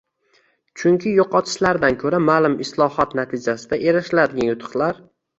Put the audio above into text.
Chunki yo‘qotishlardan ko‘ra ma’lum islohot natijasida erishiladigan yutuqlar